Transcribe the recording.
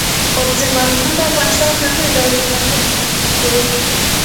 اوبزین معدنونه د افغانستان د ځانګړي ډول جغرافیه استازیتوب کوي.